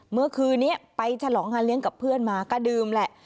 เมื่อคืนนี้ไปฉลองงานเลี้ยงกับเพื่อนมาก็ดื่มแหละ